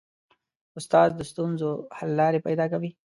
استاد د ستونزو حل لارې پیدا کوي.